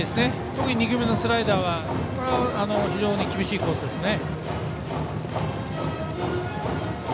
特に２球目のスライダーは非常に厳しいコースですね。